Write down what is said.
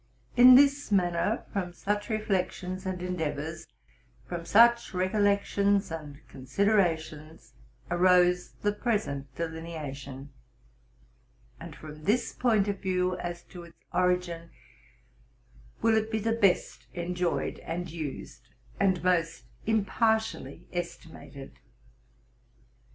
Tn this manner, from such reflections and endeavors, from such recollections and considerations, arose the present deline ation; and from this point of view, as to its origin, will it be the best enjoyed and used, and most impartially estimated.